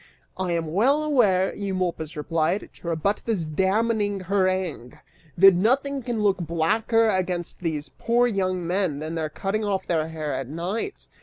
"I am well aware," Eumolpus replied, to rebut this damning harangue, "that nothing can look blacker against these poor young men than their cutting off their hair at night.